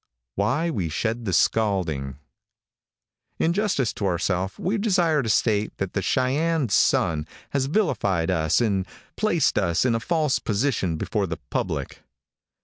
WHY WE SHED THE SCALDING. |IN justice to ourself we desire to state that the Cheyenne Sun has villified us and placed us in a false position before the public.